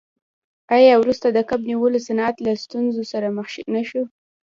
آیا وروسته د کب نیولو صنعت له ستونزو سره مخ نشو؟